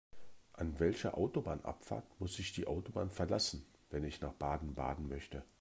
An welcher Autobahnabfahrt muss ich die Autobahn verlassen, wenn ich nach Baden-Baden möchte?